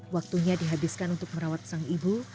waktunya dihabiskan untuk merawat sang ibu